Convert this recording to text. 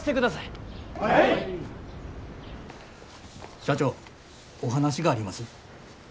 社長お話があります。